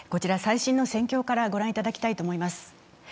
最新の戦況から御覧いただきたいと思います。